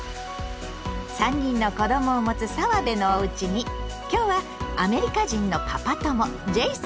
３人の子どもを持つ澤部のおうちに今日はアメリカ人のパパ友ジェイソンが来てるわよ！